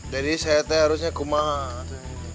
jadi saya tuh harusnya kumat